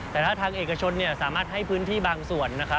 แต่ถ้าทางเอกชนสามารถให้พื้นที่บางส่วนนะครับ